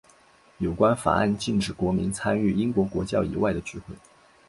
有关法案禁止国民参与英国国教以外的聚会。